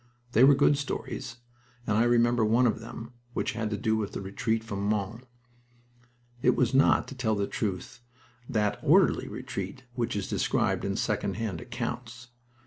They were good stories, and I remember one of them, which had to do with the retreat from Mons. It was not, to tell the truth, that "orderly" retreat which is described in second hand accounts.